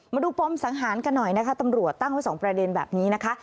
ปมสังหารกันหน่อยนะคะตำรวจตั้งไว้สองประเด็นแบบนี้นะคะ